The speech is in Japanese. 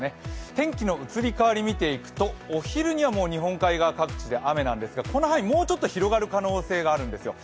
天気の移り変わり見ていくと、お昼には日本海側各地で雨なんですが、この範囲もうちょっと広がる可能性があるんですよ。